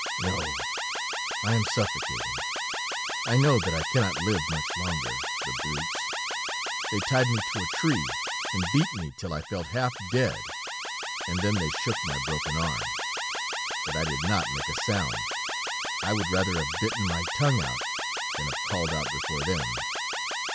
"No, I am suffocating. I know that I cannot live much longer. The brutes! They tied me to a tree, and beat me till I felt half dead, and then they shook my broken arm, but I did not make a sound. I would rather have bitten my tongue out than have called out before them....